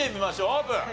オープン。